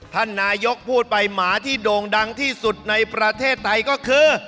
ท่านนายกพูดไปหมาที่โด่งดังที่สุดในประเทศไทยก็คือ